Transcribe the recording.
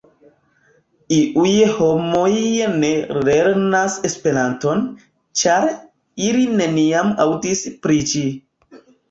Iuj homoj ne lernas Esperanton, ĉar ili neniam aŭdis pri ĝi.